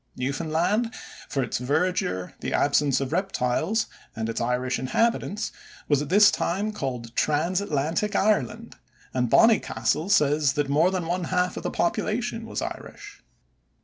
Newfoundland, for its verdure, the absence of reptiles, and its Irish inhabitants, was called at this time "Transatlantic Ireland", and Bonnycastle says that more than one half of the population was Irish.